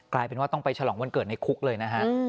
กลายเป็นว่าต้องไปฉลองวันเกิดในคุกเลยนะฮะ